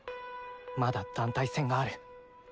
まだ団体戦がある。